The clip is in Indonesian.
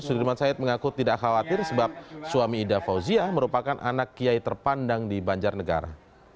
sudirman said mengaku tidak khawatir sebab suami ida fauzia merupakan anak kiai terpandang di banjarnegara